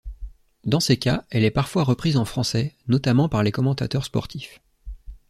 Dans ces cas, elle est parfois reprise en français, notamment par les commentateurs sportifs.